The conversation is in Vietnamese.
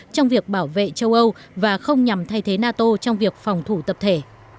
trong việc bảo vệ châu âu và không nhằm thay thế nato trong việc phòng thủ tập thể